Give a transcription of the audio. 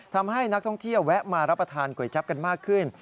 ทำให้นักท่องเที่ยวแวะมารับประทานก๋วยจั๊บกันมากขึ้น